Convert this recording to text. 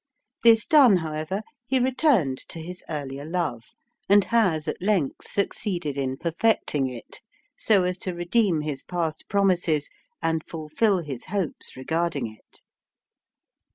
This done, however, he returned to his earlier love, and has at length succeeded in perfecting it so as to redeem his past promises and fulfill his hopes regarding it.